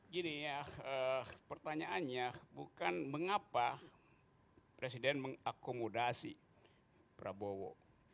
gini ya pertanyaannya bukan mengapa presiden mengakomodasi prabowo